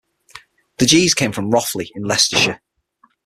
The Gees came from Rothley in Leicestershire.